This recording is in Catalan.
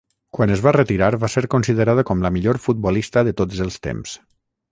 Quan es va retirar, va ser considerada com la millor futbolista de tots els temps.